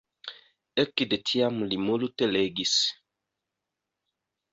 Ekde tiam li multe legis.